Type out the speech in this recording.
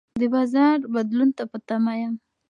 د بازار بدلون ته په تمه یم.